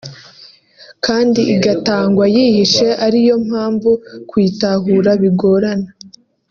kandi igatangwa yihishe ariyo mpamvu kuyitahura bigorana